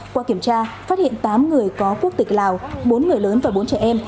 qua kiểm tra phát hiện tám người có quốc tịch lào bốn người lớn và bốn trẻ em